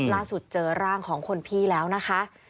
ล่าสุดเจอร่างของคนพี่แล้วนะคะ